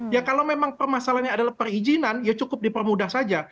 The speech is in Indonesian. ya kalau memang permasalahannya adalah perizinan ya cukup dipermudah saja